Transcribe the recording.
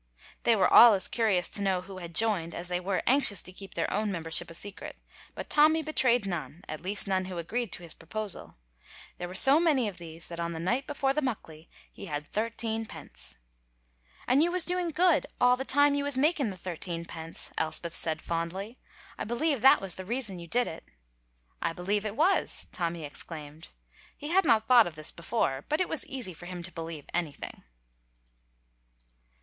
They were all as curious to know who had joined as they were anxious to keep their own membership a secret; but Tommy betrayed none, at least none who agreed to his proposal. There were so many of these that on the night before the Muckley he had thirteen pence. "And you was doing good all the time you was making the thirteen pence," Elspeth said, fondly. "I believe that was the reason you did it." "I believe it was!" Tommy exclaimed. He had not thought of this before, but it was easy to him to believe anything.